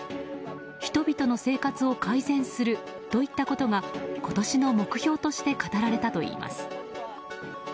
人々の生活を改善するといったことが今年の目標として語られたといいます。